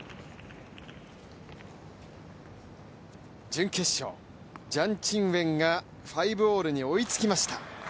準決勝、ジャン・チンウェンが５−５に追いつきました。